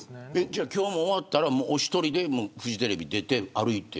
今日も終わったら、お一人でフジテレビを出て歩いて。